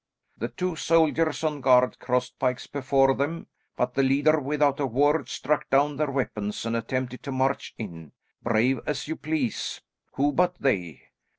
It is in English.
The two soldiers on guard crossed pikes before them, but the leader, without a word, struck down their weapons and attempted to march in, brave as you please; who but they!